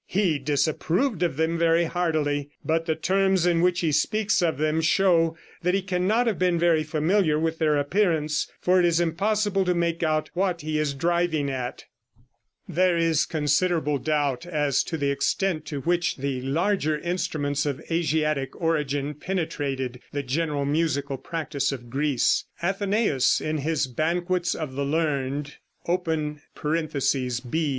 He disapproved of them very heartily, but the terms in which he speaks of them show that he cannot have been very familiar with their appearance, for it is impossible to make out what he is driving at. [Illustration: Fig. 13. LYRE.] [Illustration: Fig. 14. CITHARA.] There is considerable doubt as to the extent to which the larger instruments of Asiatic origin penetrated the general musical practice of Greece. Athenæus, in his "Banquets of the Learned" (B.